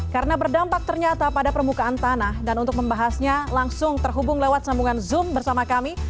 karena berdampak ternyata pada permukaan tanah dan untuk membahasnya langsung terhubung lewat sambungan zoom bersama kami